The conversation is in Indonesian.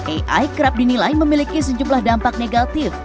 ai kerap dinilai memiliki sejumlah dampak negatif